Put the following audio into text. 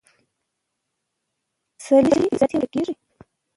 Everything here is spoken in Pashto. که څوک لرې شي، عزت یې ورک کېږي.